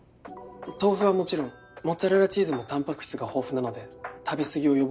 豆腐はもちろんモッツァレラチーズもたんぱく質が豊富なので食べすぎを予防できるかと。